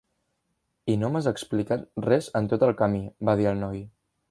"I no m'has explicat res en tot el camí", va dir el noi.